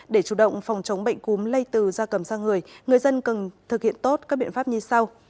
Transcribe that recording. để chủ động phòng chống bệnh cúm lây từ da cầm sang người người dân cần thực hiện tốt các biện pháp như sau